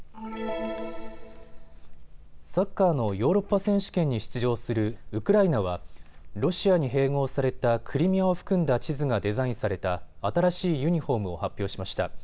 サッカーのヨーロッパ選手権に出場するウクライナはロシアに併合されたクリミアを含んだ地図がデザインされた新しいユニフォームを発表しました。